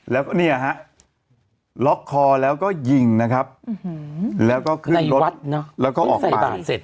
แล้วก็นี่นะฮะล็อคคอแล้วก็ยิงนะครับแล้วก็ขึ้นรถแล้วก็ออกไป